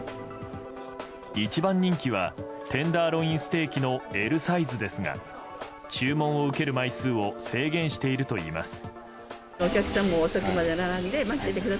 一番人気はテンダーロインステーキのＬサイズですが注文を受ける枚数を制限しているといいます。